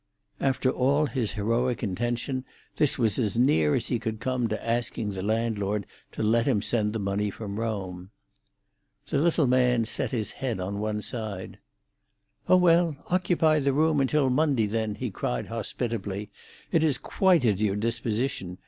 After all his heroic intention, this was as near as he could come to asking the landlord to let him send the money from Rome. The little man set his head on one side. "Oh, well, occupy the room until Monday, then," he cried hospitably. "It is quite at your disposition.